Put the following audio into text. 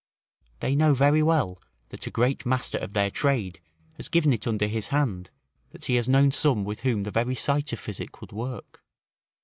They know very well, that a great master of their trade has given it under his hand, that he has known some with whom the very sight of physic would work.